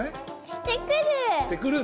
してくる。